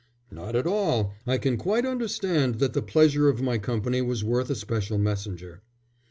"Not at all. I can quite understand that the pleasure of my company was worth a special messenger."